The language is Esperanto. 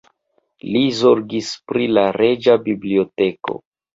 Li zorgis pri la reĝa biblioteko.